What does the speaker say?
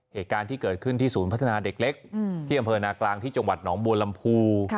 เหตุการณ์ที่เกิดขึ้นที่ศูนย์พัฒนาเด็กเล็กที่อำเภอนากลางที่จังหวัดหนองบัวลำพู